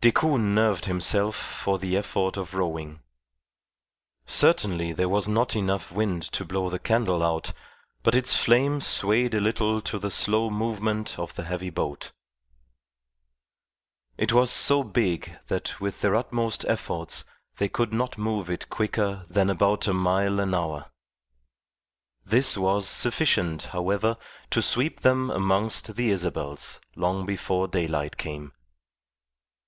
Decoud nerved himself for the effort of rowing. Certainly there was not enough wind to blow the candle out, but its flame swayed a little to the slow movement of the heavy boat. It was so big that with their utmost efforts they could not move it quicker than about a mile an hour. This was sufficient, however, to sweep them amongst the Isabels long before daylight came.